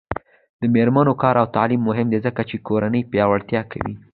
د میرمنو کار او تعلیم مهم دی ځکه چې کورنۍ پیاوړتیا کوي.